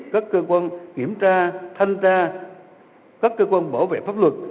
các cơ quan kiểm tra thanh tra các cơ quan bảo vệ pháp luật